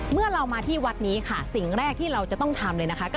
เมื่อเรามาที่วัดนี้ค่ะสิ่งแรกที่เราจะต้องทำเลยนะคะ